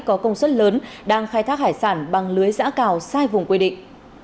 có công suất lớn đang khai thác hải sản bằng lưới giã cào sai vùng quy định